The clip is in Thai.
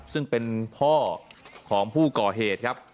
ซึ่งเป็นพ่อของผู้ก่อเหตุครับ